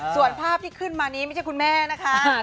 ส่วนภาพที่ขึ้นมานี้ไม่ใช่คุณแม่นะคะ